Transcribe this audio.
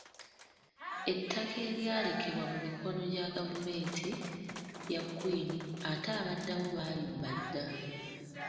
Ettaka eryalekebwa mu mikono gya gavumenti ya Kwini ate abaddawo baalibba dda.